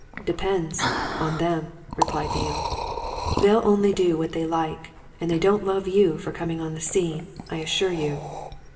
"Depends on them," replied Neale. "They'll only do what they like. And they don't love you for coming on the scene, I assure you!"